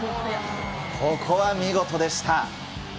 ここは見事でした。